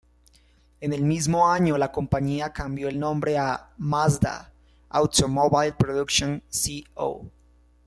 En el mismo año la compañía cambió el nombre a "Mazda automobile production Co.